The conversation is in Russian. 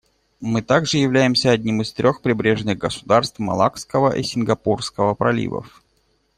Мы также являемся одним из трех прибрежных государств Малаккского и Сингапурского проливов.